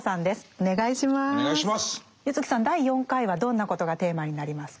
柚木さん第４回はどんなことがテーマになりますか？